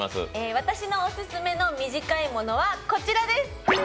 私のオススメの短い物はこちらです。